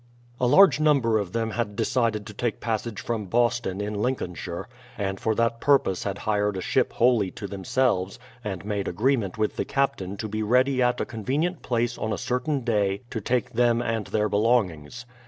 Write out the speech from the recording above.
A large number of them had decided to take passage from Boston in Lincolnshire, and for that purpose had hired a ship wholly to themselves, and made agreement with the captain to be ready at a convenient place on a certain day to take them and their belongings.